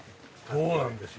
そうなんですよ。